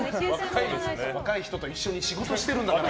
若い人と一緒に仕事してるんだから。